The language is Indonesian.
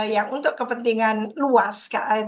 yang untuk kepentingan luas